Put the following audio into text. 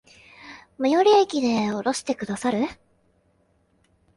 最寄駅で降ろしてくださる？